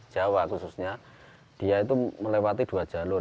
jawa khususnya dia itu melewati dua jalur